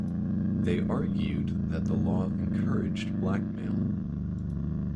They argued that the law encouraged blackmail.